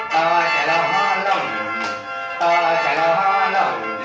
ต่อจันทร์เราห้องลงต่อจันทร์เราห้องลง